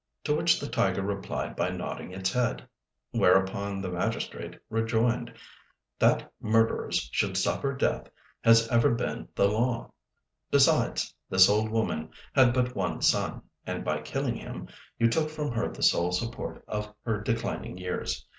to which the tiger replied by nodding its head; whereupon the magistrate rejoined, "That murderers should suffer death has ever been the law. Besides, this old woman had but one son, and by killing him you took from her the sole support of her declining years.